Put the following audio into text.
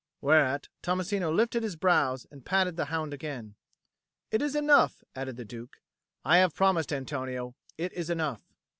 Whereat Tommasino lifted his brows and patted the hound again. "It is enough," added the Duke. "I have promised, Antonio. It is enough."